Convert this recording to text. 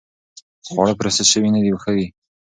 خواړه پروسس شوي نه وي، ښه دي.